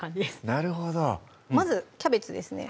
なるほどまずキャベツですね